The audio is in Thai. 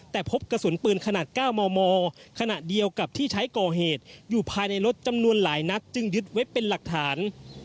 แต่พบกระสุนปืนขนาด๙มมขณะเดียวกับที่ใช้ก่อเหตุอยู่ภายในรถจำนวนหลายนัดจึงยึดไว้เป็นหลักฐาน